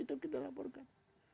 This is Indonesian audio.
itu kita laporkan